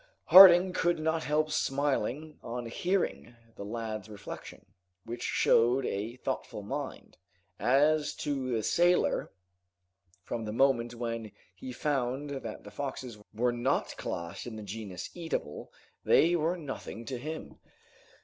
Harding could not help smiling on hearing the lad's reflection, which showed a thoughtful mind. As to the sailor, from the moment when he found that the foxes were not classed in the genus eatable, they were nothing to him.